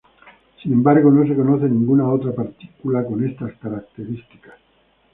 Sin embargo, no se conoce ninguna otra partícula con estas características.